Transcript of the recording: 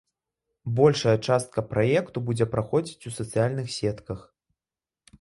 Большая частка праекту будзе праходзіць у сацыяльных сетках.